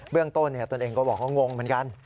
เรื่องต้นตนเองก็บอกว่างงเหมือนกัน